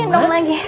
gendong lagi ya